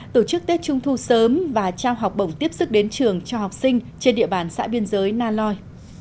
tổ chức tết trung thu sớm và trao học bổng tiếp sức đến trường cho học sinh trên địa bàn xã biên giới na loi